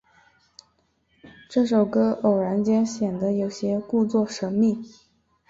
这首歌偶然间显得有些故作神秘。